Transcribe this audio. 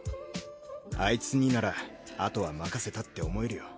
アイツにならあとは任せたって思えるよ。